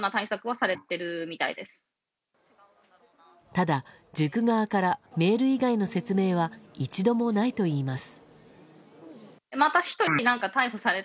ただ、塾側からメール以外の説明は一度もないといいます。